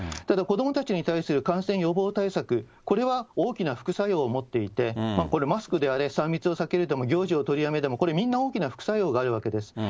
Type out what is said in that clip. ただ子どもたちに対する感染予防対策、これは大きな副作用を持っていて、これ、マスクであれ、３密を避ける、行事を取りやめるでも、これみんな大きな副作用があるわけです。